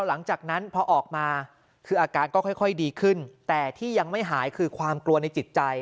หลังจากนั้นพอออกมาคืออาการก็ค่อยดีขึ้นแต่ที่ยังไม่หายคือความกลัวในจิตใจ